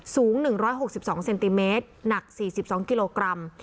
สูง๑๖๒เซนติเมตรหนัก๔๒กิโลกรัม